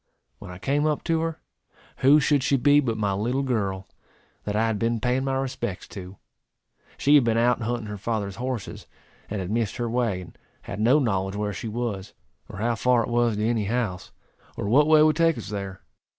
When I came up to her, who should she be but my little girl, that I had been paying my respects to. She had been out hunting her father's horses, and had missed her way, and had no knowledge where she was, or how far it was to any house, or what way would take us there.